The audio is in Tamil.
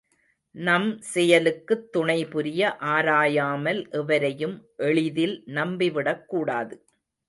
நம் செயலுக்குத் துணைபுரிய, ஆராயாமல், எவரையும் எளிதில் நம்பிவிடக் கூடாது.